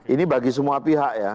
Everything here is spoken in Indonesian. ini bagi semua pihak ya